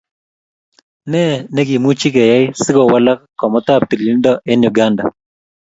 Ne nekimunche keiyai sikuwalak komatab tililindo en uganda